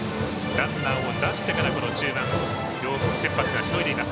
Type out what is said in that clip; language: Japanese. ランナーを出してから、この中盤両先発がしのいでいます。